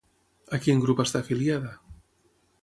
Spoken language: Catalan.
A quin grup està afiliada?